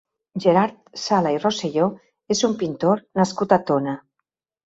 Gerard Sala i Roselló és un pintor nascut a Tona.